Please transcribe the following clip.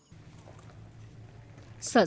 sở giáo cho em